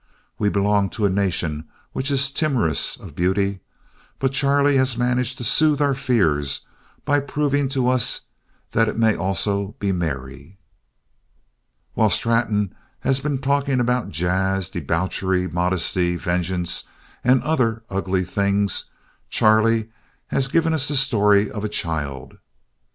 We belong to a Nation which is timorous of beauty, but Charlie has managed to soothe our fears by proving to us that it may also be merry. While Straton has been talking about jazz, debauchery, modesty, vengeance and other ugly things, Chaplin has given us the story of a child.